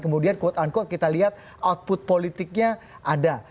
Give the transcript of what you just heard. kemudian quote unquote kita lihat output politiknya ada